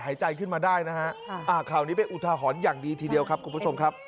ผมก็ใจหายนะครับเพราะเป็นพ่อครับ